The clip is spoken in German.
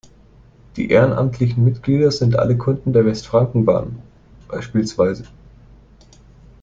Die ehrenamtlichen Mitglieder sind alle Kunden der Westfrankenbahn, bspw.